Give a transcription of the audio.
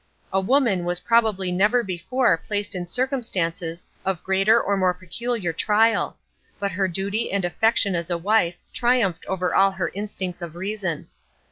A woman was probably never before placed in circumstances of greater or more peculiar trial; but her duty and affection as a wife triumphed over all her instincts of reason.